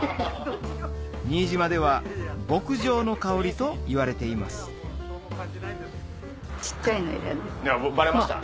新島では牧場の香りといわれていますバレました？